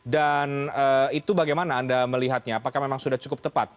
dan itu bagaimana anda melihatnya apakah memang sudah cukup tepat